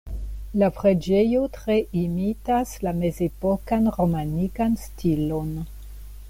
La preĝejo tre imitas la mezepokan romanikan stilon.